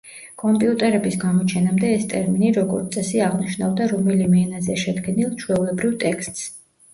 კომპიუტერების გამოჩენამდე ეს ტერმინი, როგორც წესი, აღნიშნავდა რომელიმე ენაზე შედგენილ ჩვეულებრივ ტექსტს.